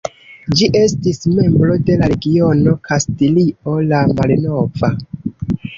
Ĝi estis membro de la regiono Kastilio la Malnova.